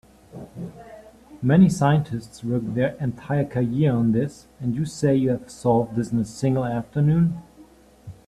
Many scientists work their entire careers on this, and you say you have solved this in a single afternoon?